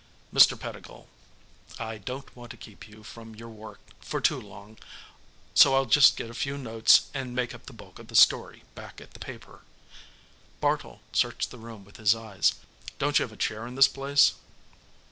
"Mr. Pettigill, I don't want to keep you from your work for too long, so I'll just get a few notes and make up the bulk of the story back at the paper." Bartle searched the room with his eyes. "Don't you have a chair in this place?"